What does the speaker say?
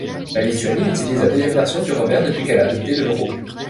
La Lituanie utilise la deuxième version du revers depuis qu'elle a adopté de l'euro.